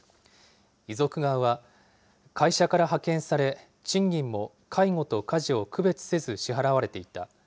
遺族側は、会社から派遣され、賃金も介護と家事を区別せず支払われていた。